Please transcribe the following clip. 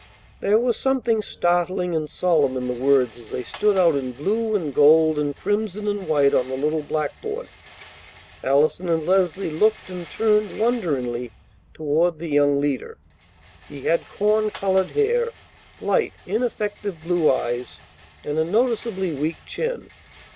There was something startling and solemn in the words as they stood out in blue and gold and crimson and white on the little blackboard. Allison and Leslie looked and turned wonderingly toward the young leader. He had corn colored hair, light, ineffective blue eyes, and a noticeably weak chin.